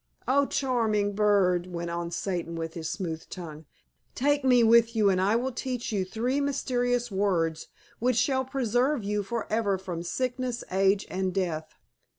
"O charming bird!" went on Satan with his smooth tongue, "take me with you, and I will teach you three mysterious words which shall preserve you forever from sickness, age, and death."